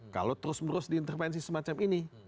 kalau terus menerus diintervensi semacam ini